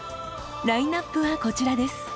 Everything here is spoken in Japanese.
ラインナップはこちらです。